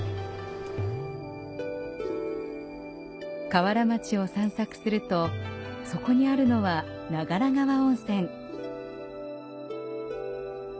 川原町を散策するとそこにあるのは長良川温泉。